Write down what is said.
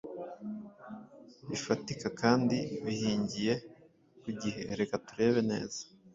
bifatika kandi bihingiye ku gihe Reka turebe neza